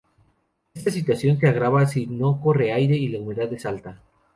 Esta situación se agrava si no corre aire y la humedad es alta.